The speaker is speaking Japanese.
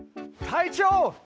隊長！